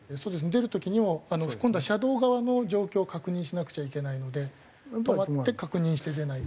今度は車道側の状況を確認しなくちゃいけないので止まって確認して出ないと。